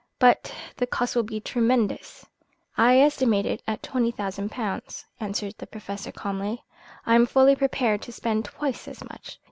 But the cost will be tremendous." "I estimate it at twenty thousand pounds," answered the Professor calmly. "I am fully prepared to spend twice as much.